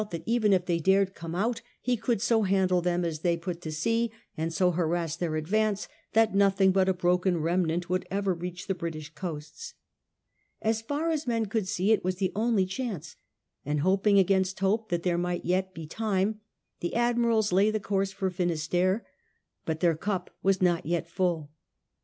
that even if they dared come out he could so handle them as they put to sea, and so harass their advance, that nothing but a broken remnant would ever reach the British coasts. As far as men could see it was the only chance ; and hoping against hope that there might yet be time, the Admirals lay the course for Finisterre. But their cup was not yet full.